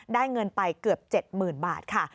ได้เงินไปเกือบ๗หมื่นบาทค่ะ